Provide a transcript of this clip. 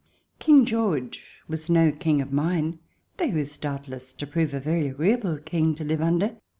King George was no King of mine, though he was doubt less to prove a very agreeable King to live under.